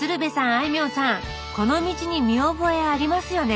あいみょんさんこの道に見覚えありますよね？